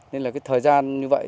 nên là cái thời gian như vậy